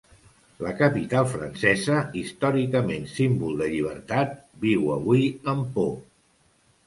La capital francesa, històricament símbol de llibertat, viu avui amb por.